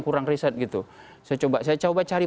kurang riset gitu saya coba cari